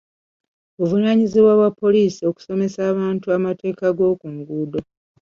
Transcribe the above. Buvunaanyizibwa bwa poliisi okusomesa abantu amateeka g'oku nguudo.